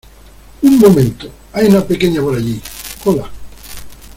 Un momento, hay una pequeña por allí. ¡ hola!